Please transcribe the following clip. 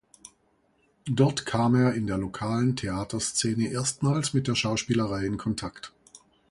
Dort kam er in der lokalen Theaterszene erstmals mit der Schauspielerei in Kontakt.